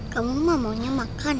kamu mah maunya makan